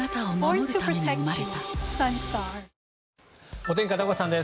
お天気、片岡さんです。